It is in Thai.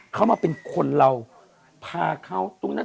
เขามาเป็นคนเราพาเขาตรงนั้น